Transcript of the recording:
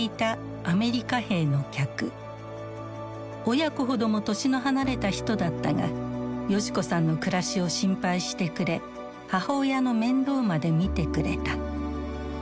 親子ほども年の離れた人だったが世志子さんの暮らしを心配してくれ母親の面倒まで見てくれた。